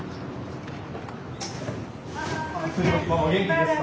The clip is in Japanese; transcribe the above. ママ元気ですか？